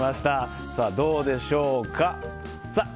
どうでしょうか。